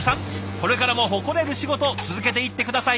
これからも誇れる仕事続けていって下さいね！